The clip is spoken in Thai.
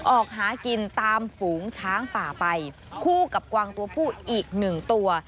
ออกหากินตามฝูงช้างป่าไปคู่กับกวางตัวผู้อีกหนึ่งตัว